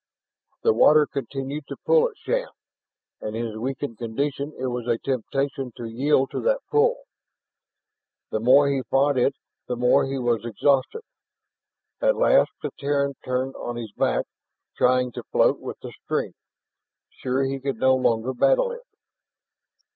The water continued to pull at Shann, and in his weakened condition it was a temptation to yield to that pull; the more he fought it the more he was exhausted. At last the Terran turned on his back, trying to float with the stream, sure he could no longer battle it.